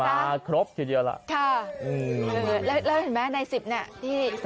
มาครบทีเดียวแล้ว